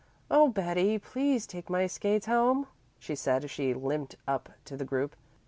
"Oh. Betty, please take my skates home," she said as she limped up to the group.